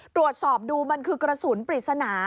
ตรวจสอบดูมันคือกระสุนปริศนา